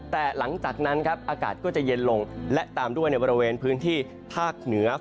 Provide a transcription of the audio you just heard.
แต่หลังจากนั้นครับอากาศก็จะเย็นลงและตามด้วยในบริเวณพื้นที่ภาคเหนือ